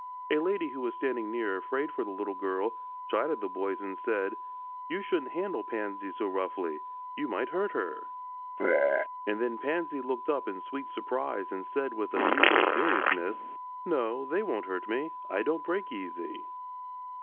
A lady who was standing near, afraid for the little girl, chided the boys and said: "You shouldn't handle Pansy so roughly you might hurt her." And then Pansy looked up in sweet surprise and said with amusing seriousness: "No; they won't hurt me. I don't break easy."